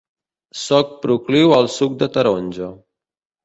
Soc procliu al suc de taronja.